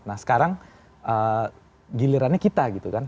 nah sekarang gilirannya kita gitu kan